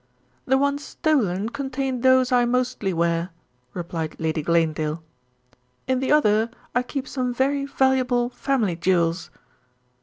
"The one stolen contained those I mostly wear," replied Lady Glanedale; "in the other I keep some very valuable family jewels."